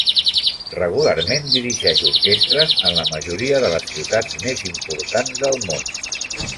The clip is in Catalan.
Regularment dirigeix orquestres en la majoria de les ciutats més importants del món.